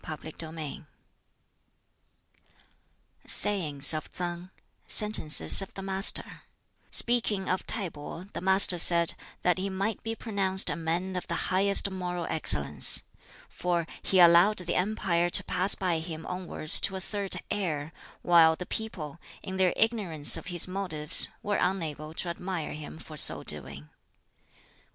] BOOK VIII Sayings of Tsang Sentences of the Master Speaking of T'ai pih the Master said that he might be pronounced a man of the highest moral excellence; for he allowed the empire to pass by him onwards to a third heir; while the people, in their ignorance of his motives, were unable to admire him for so doing.